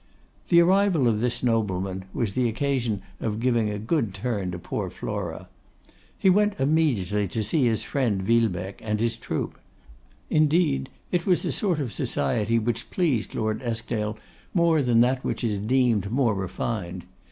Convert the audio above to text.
The arrival of this nobleman was the occasion of giving a good turn to poor Flora. He went immediately to see his friend Villebecque and his troop. Indeed it was a sort of society which pleased Lord Eskdale more than that which is deemed more refined.